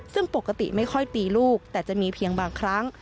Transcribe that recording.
ซึ่งปกติไม่ค่อยตีลูกแต่จะมีเพียงบางครั้ง